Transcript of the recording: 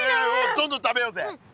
どんどん食べようぜ。